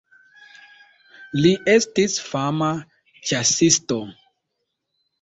Li estis fama ĉasisto.